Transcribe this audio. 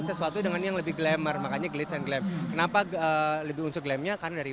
sesuatu dengan yang lebih glamour makanya glitz and glam kenapa lebih unsur glam nya karena dari